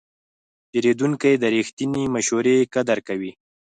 پیرودونکی د رښتینې مشورې قدر کوي.